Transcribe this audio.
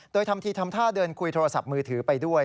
โดยทำทีทำท่าเดินคุยโทรศัพท์มือถือไปด้วย